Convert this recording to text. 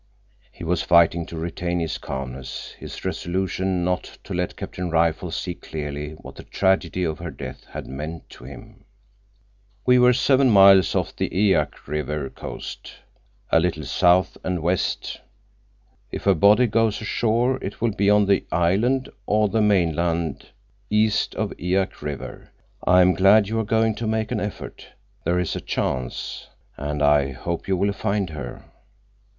He was fighting to retain his calmness, his resolution not to let Captain Rifle see clearly what the tragedy of her death had meant to him. "We were seven miles off the Eyak River coast, a little south and west. If her body goes ashore, it will be on the island, or the mainland east of Eyak River. I am glad you are going to make an effort. There is a chance. And I hope you will find her."